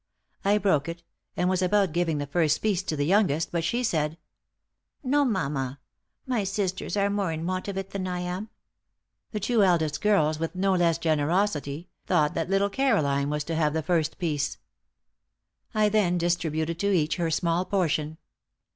I broke it, and was about giving the first piece to the youngest, but she said, 'No, mamma; my sisters are more in want of it than I am.' The two eldest girls, with no less generosity, thought that little Caroline was to have the first piece. I then distributed to each her small portion.